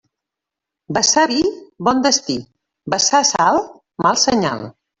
Vessar vi, bon destí; vessar sal, mal senyal.